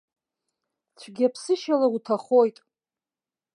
Цәгьаԥсышьала уҭахоит!